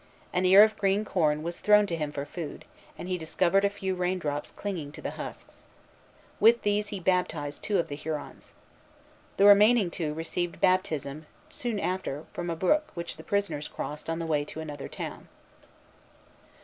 An ear of green corn was thrown to him for food, and he discovered a few rain drops clinging to the husks. With these he baptized two of the Hurons. The remaining two received baptism soon after from a brook which the prisoners crossed on the way to another town.